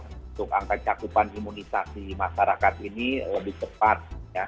untuk angka cakupan imunisasi masyarakat ini lebih cepat